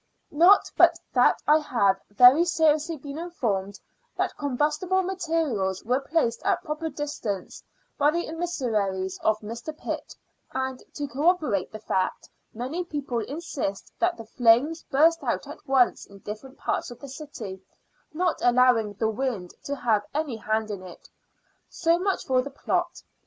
Not, but that I have very seriously been informed, that combustible materials were placed at proper distance, by the emissaries of Mr. Pitt; and, to corroborate the fact, many people insist that the flames burst out at once in different parts of the city; not allowing the wind to have any hand in it. So much for the plot.